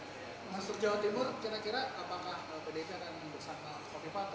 mas di jawa timur kira kira apakah bdt akan bersama pak bipa